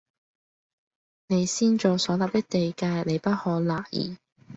你先祖所立的地界，你不可挪移